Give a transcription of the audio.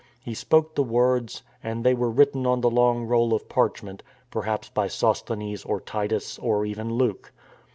He spoke the words, and they were written on the long roll of parchment, perhaps by Sosthenes or Titus or even Luke.